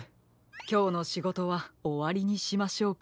きょうのしごとはおわりにしましょうか。